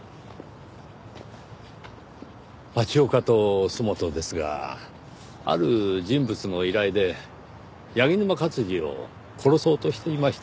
町岡と洲本ですがある人物の依頼で柳沼勝治を殺そうとしていました。